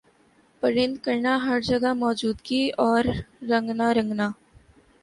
پرند کرنا ہَر جگہ موجودگی اور رنگنا رنگنا